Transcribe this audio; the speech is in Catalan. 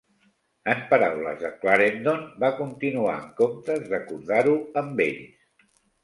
En paraules de Clarendon, va continuar en comptes d'acordar-ho amb ells.